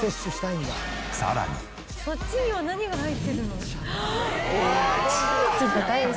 「そっちには何が入ってるの？」